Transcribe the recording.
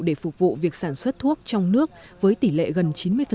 để phục vụ việc sản xuất thuốc trong nước với tỷ lệ gần chín mươi